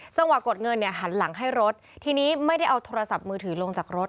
กดเงินเนี่ยหันหลังให้รถทีนี้ไม่ได้เอาโทรศัพท์มือถือลงจากรถ